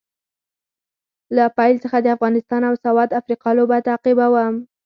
له پیل څخه د افغانستان او ساوت افریقا لوبه تعقیبوم